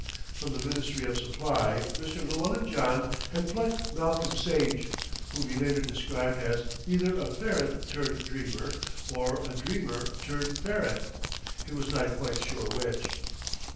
From the Ministry of Supply, Mr. Llewellyn John had plucked Malcolm Sage, whom he later described as "either a ferret turned dreamer, or a dreamer turned ferret," he was not quite sure which.